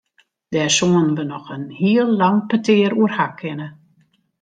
Dêr soenen we noch in heel lang petear oer ha kinne.